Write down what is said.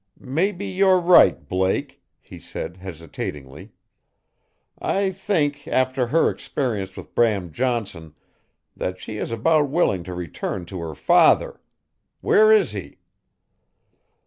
"Maybe you're right, Blake," he said hesitatingly. "I think, after her experience with Bram Johnson that she is about willing to return to her father. Where is he?"